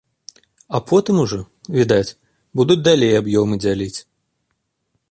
А потым ужо, відаць, будуць далей аб'ёмы дзяліць.